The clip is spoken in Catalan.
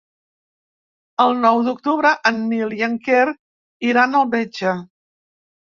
El nou d'octubre en Nil i en Quer iran al metge.